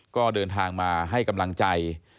ก็เดินทางมาให้กำลังใจ